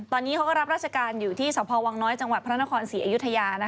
ตอนนี้เขาก็รับราชการอยู่ที่สพวังน้อยจังหวัดพระนครศรีอยุธยา